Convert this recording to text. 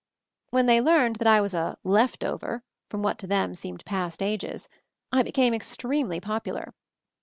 When they learned that I was a "left over" from what to them seemed past ages, I became extremely popular.